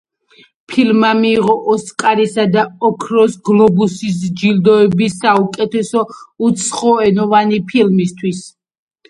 ფილმმა მიიღო ოსკარისა და ოქროს გლობუსის ჯილდოები საუკეთესო უცხოენოვანი ფილმისთვის.